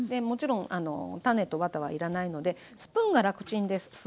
もちろん種とワタは要らないのでスプーンが楽ちんです。